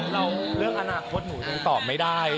แล้วเรื่องอนาคตหนูยังตอบไม่ได้